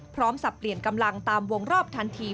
สับเปลี่ยนกำลังตามวงรอบทันที